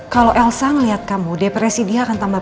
kalau elsa melihat kamu depresi dia akan pré moribang